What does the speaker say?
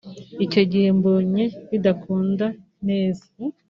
Icyo gihe mbonye bidakunda neza